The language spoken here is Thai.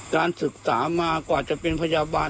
การศึกษามากว่าจะเป็นพยาบาล